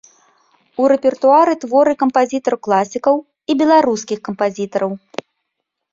У рэпертуары творы кампазітараў-класікаў і беларускіх кампазітараў.